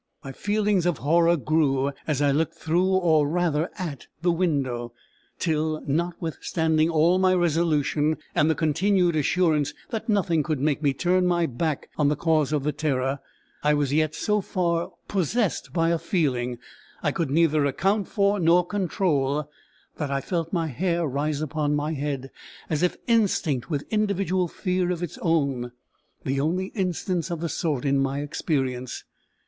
My feelings of horror grew as I looked through or rather at the window, till, notwithstanding all my resolution and the continued assurance that nothing could make me turn my back on the cause of the terror, I was yet so far possessed by a feeling I could neither account for nor control, that I felt my hair rise upon my head, as if instinct with individual fear of its own the only instance of the sort in my experience.